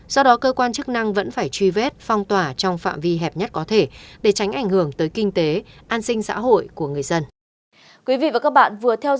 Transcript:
do đó cơ quan chức năng vẫn phải truy vết phong tỏa trong phạm vi hẹp nhất có thể để tránh ảnh hưởng tới kinh tế an sinh xã hội của người dân